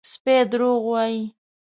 _سپی دروغ وايي!